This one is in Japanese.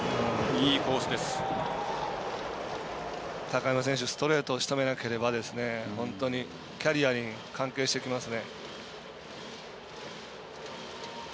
高山選手ストレートをしとめなければ本当にキャリアに関係してきます。